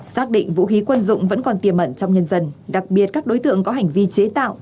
xác định vũ khí quân dụng vẫn còn tiềm ẩn trong nhân dân đặc biệt các đối tượng có hành vi chế tạo